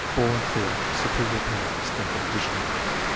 Ball and field. (Superior plan.) (Stanford addition.)